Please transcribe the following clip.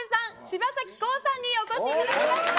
柴咲コウさんにお越しいただきました。